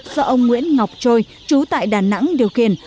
do ông nguyễn ngọc trôi chú tại đà nẵng điều khiển